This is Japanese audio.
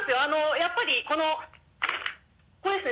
やっぱりこのこれですね。